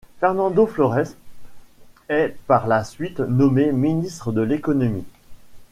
Fernando Flores est par la suite nommée ministre de l'Économie.